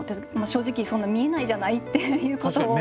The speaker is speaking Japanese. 「正直そんな見えないじゃない」っていうことを。